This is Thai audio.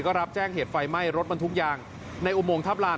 ก็รับแจ้งเหตุไฟไหม้รถบรรทุกยางในอุโมงทัพลาน